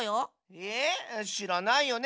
えぇ？しらないよね？